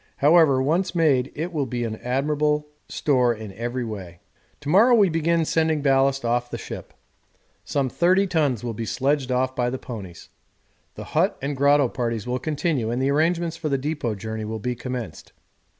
However, once made it will be admirable in every way. To morrow we begin sending ballast off to the ship; some 30 tons will be sledged off by the ponies. The hut and grotto parties will continue, and the arrangements for the depot journey will be commenced.